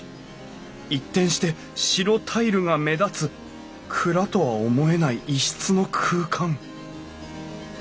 一転して白タイルが目立つ蔵とは思えない異質の空間